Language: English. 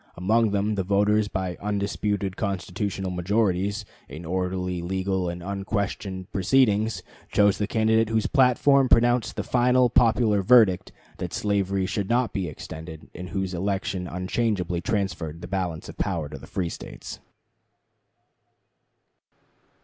Among them the voters by undisputed constitutional majorities, in orderly, legal, and unquestioned proceedings, chose the candidate whose platform pronounced the final popular verdict that slavery should not be extended, and whose election unchangeably transferred the balance of power to the free States.